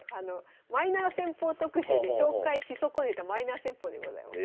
マイナー戦法特集で紹介し損ねたマイナー戦法でございます。